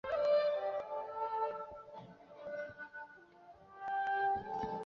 此曲同时也促进了双手交替弹奏十六分音符的技术。